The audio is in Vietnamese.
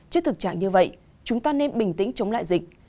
trước thực trạng như vậy chúng ta nên bình tĩnh chống lại dịch